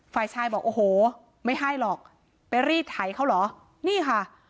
ฝ่ายชายบอกโอ้โหไม่ให้หรอกไปรีดไถเขาเหรอนี่ค่ะ